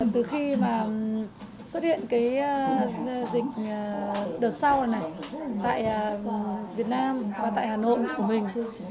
từ khi mà xuất hiện cái dịch đợt sau này tại việt nam và tại hà nội của mình